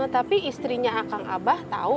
tapi istrinya akan abah tau